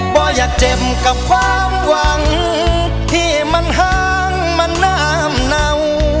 อย่าเจ็บกับความหวังที่มันห้างมันนามเนา